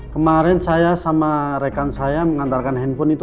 kemarin saya sama rekan saya mengantarkan handphone itu